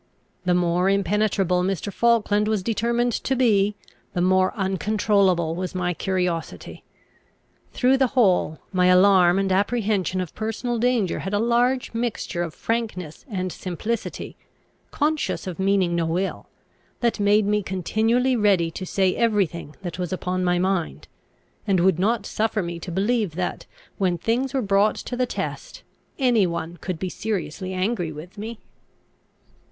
The more impenetrable Mr. Falkland was determined to be, the more uncontrollable was my curiosity. Through the whole, my alarm and apprehension of personal danger had a large mixture of frankness and simplicity, conscious of meaning no ill, that made me continually ready to say every thing that was upon my mind, and would not suffer me to believe that, when things were brought to the test, any one could be seriously angry with me.